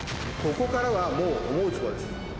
ここからは、もう思う壺です。